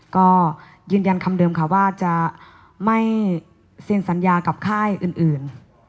ก็ยืนยันคำเดิมค่ะว่าจะไม่เซ็นสัญญากับค่ายอื่น